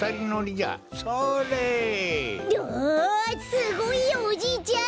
すごいよおじいちゃん！